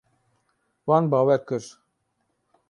Wan bawer kir.